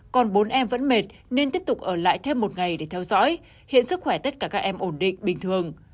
còn bốn em vẫn mệt nên tiếp tục ở lại thêm một ngày để theo dõi hiện sức khỏe tất cả các em ổn định bình thường